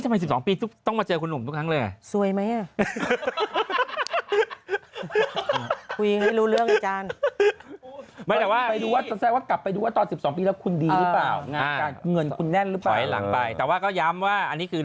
ไม่ถือทำหนึ่งสิเดี๋ยวไม่ถือ